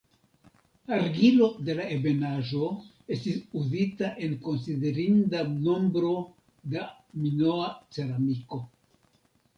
Argilo de la ebenaĵo estis uzita en konsiderinda nombro da minoa ceramiko.